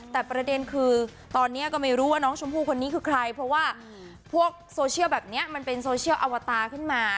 แต่ประเด็นคือตอนนี้ก็ไม่รู้ว่าน้องชมพู่คนนี้คือใครเพราะว่าพวกโซเชียลแบบนี้มันเป็นโซเชียลอวตาขึ้นมา